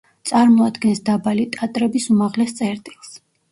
წარმოადგენს დაბალი ტატრების უმაღლეს წერტილს.